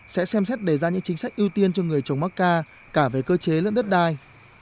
sẽ xem xét đề ra những chính sách ưu tiên cho người trồng mắc ca cả về cơ chế lẫn đất đai